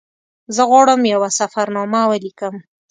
زه غواړم یوه سفرنامه ولیکم.